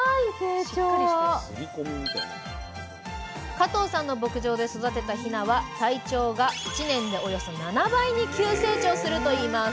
加藤さんの牧場で育てたヒナは体長が１年でおよそ７倍に急成長するといいます。